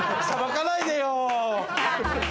さばかないでよ。